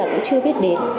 hầu như là cũng chưa biết đến